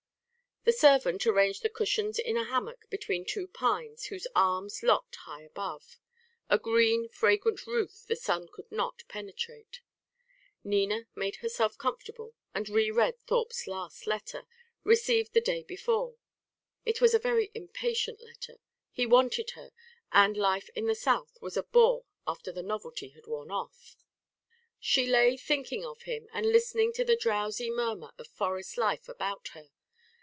The servant arranged the cushions in a hammock between two pines whose arms locked high above, a green fragrant roof the sun could not penetrate. Nina made herself comfortable, and re read Thorpe's last letter, received the day before. It was a very impatient letter. He wanted her, and life in the South was a bore after the novelty had worn off. She lay thinking of him, and listening to the drowsy murmur of forest life about her.